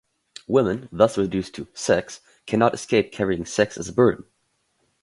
Women, thus reduced to "sex," cannot escape carrying sex as a burden.